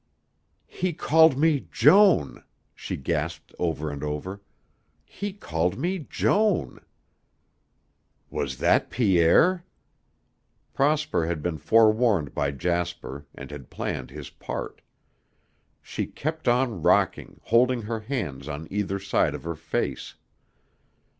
"He called me 'Joan,'" she gasped over and over. "He called me 'Joan.'" "That was Pierre?" Prosper had been forewarned by Jasper and had planned his part. She kept on rocking, holding her hands on either side of her face.